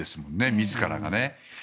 自らがね。